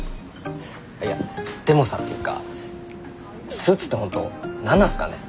いやでもさっていうかスーツって本当何なんすかね？